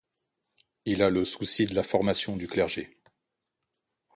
Il a le souci de la formation du clergé.